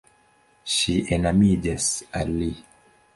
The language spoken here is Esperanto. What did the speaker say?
Ŝi enamiĝas al li.